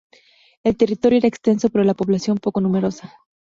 El territorio era extenso, pero la población poco numerosa.